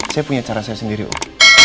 saya punya cara saya sendiri om